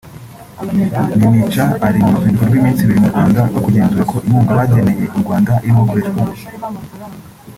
Mimica ari mu ruzinduko rw’iminsi ibiri mu Rwanda rwo kugenzura uko inkunga bageneye u Rwanda irimo gukoreshwa